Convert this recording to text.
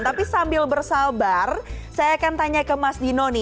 tapi sambil bersabar saya akan tanya ke mas dino nih